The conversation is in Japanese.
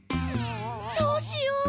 どうしよう。